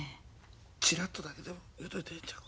ちらっとだけでも言うといてええんちゃう？